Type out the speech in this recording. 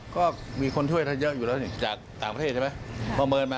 ก็มีคนช่วยเท่าช่วยเยอะอยู่แล้วอีกจากต่างประเทศใช่ไหม